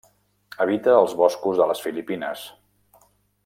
Habita als boscos de les Filipines.